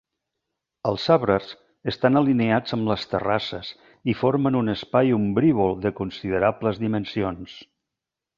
Els arbres estan alineats amb les terrasses i formen un espai ombrívol de considerables dimensions.